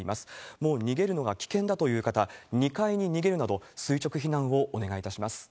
もう逃げるのは危険だという方、２階に逃げるなど、垂直避難をお願いいたします。